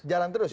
jalan terus ya